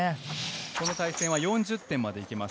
この対戦は４０点まで行けます。